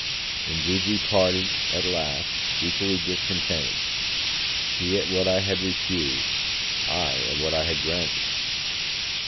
Indeed we parted, at last, equally discontented; she at what I had refused, I at what I had granted.